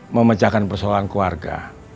memenjahkan persoalan keluarga